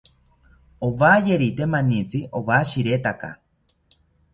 Owayerite manitzi owashiretaka